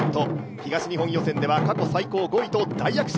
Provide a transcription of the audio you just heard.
東日本予選では、過去最高５位と大躍進。